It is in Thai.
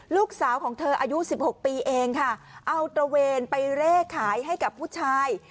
ลูกสาวของเธออายุสิบหกปีเองค่ะเอาตระเวนไปเร่ขายให้กับผู้ชาย